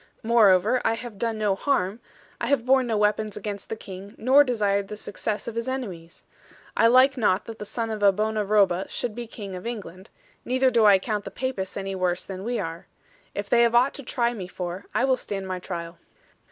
Moreover, I have done no harm; I have borne no weapons against the King, nor desired the success of his enemies. I like not that the son of a bona roba should be King of England; neither do I count the Papists any worse than we are. If they have aught to try me for, I will stand my trial.'